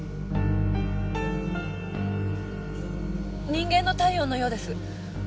人間の体温のようです。